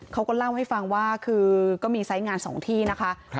เขาก็เล่าให้ฟังว่าคือก็มีไซส์งาน๒ที่นะคะ